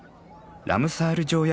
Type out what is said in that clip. ラムサール条約